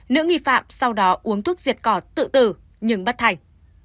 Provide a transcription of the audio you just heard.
nữ nghi phạm sau đó uống thuốc diệt cỏ tự tử nhưng bất thành